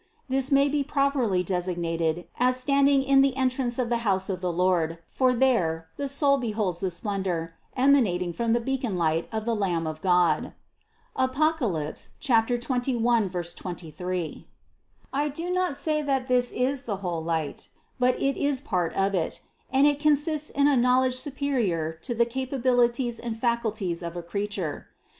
This may be properly designated as standing in the entrance of the house of the Lord ; for there the soul beholds the splendor emanating from the beaconlight of the Lamb of God (Apoc. 21, 23). THE CONCEPTION 39 18. I do not say that this is the whole light, but it is part of it ; and it consists in a knowledge superior to the capabilities and faculties of a creature.